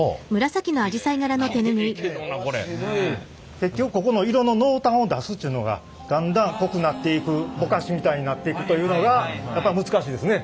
結局ここの色の濃淡を出すっちゅうのがだんだん濃くなっていくぼかしみたいになっていくというのがやっぱ難しいですね。